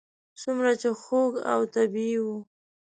څومره چې خوږ او طبیعي و.